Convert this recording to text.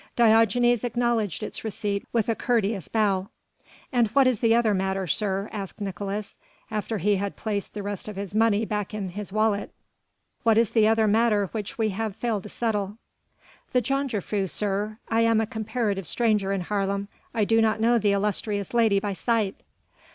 Diogenes acknowledged its receipt with a courteous bow. "And what is the other matter, sir?" asked Nicolaes, after he had placed the rest of his money back into his wallet, "what is the other matter which we have failed to settle?" "The jongejuffrouw, sir.... I am a comparative stranger in Haarlem.... I do not know the illustrious lady by sight."